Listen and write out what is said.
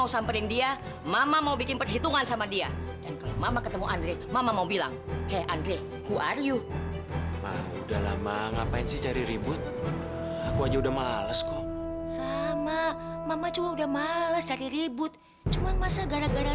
sampai jumpa di video selanjutnya